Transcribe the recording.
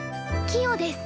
キヨです。